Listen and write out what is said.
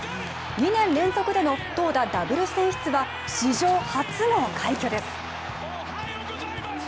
２年連続での投打ダブル選出は史上初の快挙です。